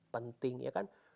penting ya kan